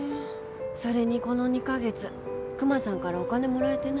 それにこの２か月クマさんからお金もらえてない。